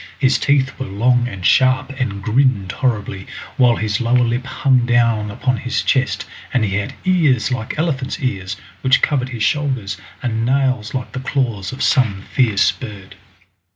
His teeth were long and sharp and grinned horribly, while his lower lip hung down upon his chest, and he had ears like elephant's ears, which covered his shoulders, and nails like the claws of some fierce bird.